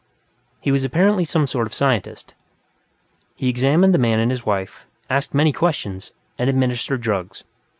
He was apparently some sort of a scientist; he examined the man and his wife, asked many questions, and administered drugs.